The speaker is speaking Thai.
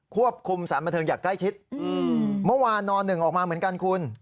ควบคุมสารบันเทิงอย่างใกล้ชิดเมื่อวานน๑ออกมาเหมือนกันคุณ